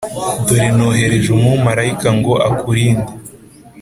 dore nohereje umumarayika ngo akurinde